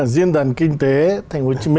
diễn đàn kinh tế tp hcm